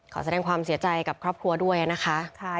ขอแสดงความเสียใจกับครอบครัวด้วยนะคะ